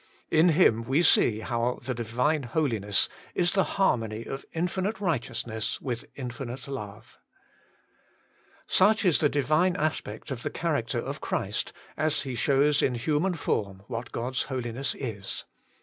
In Him we see how the Divine Holiness is the harmony of Infinite Righteousness with Infinite Love. THE HOLY ONE OF GOD. 127 2. Such is the Divine aspect of the character of Christ, as He shows in human form what God's Holiness is.